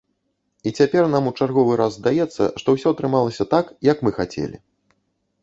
І цяпер нам у чарговы раз здаецца, што усё атрымалася так, як мы хацелі.